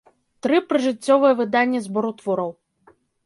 Тры прыжыццёвыя выданні збору твораў.